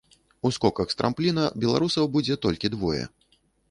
У скоках з трампліна беларусаў будзе толькі двое.